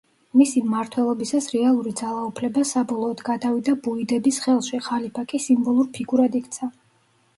მისი მმართველობისას რეალური ძალაუფლება საბოლოოდ გადავიდა ბუიდების ხელში, ხალიფა კი სიმბოლურ ფიგურად იქცა.